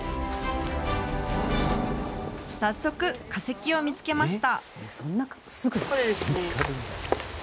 早速、化石を見つけました。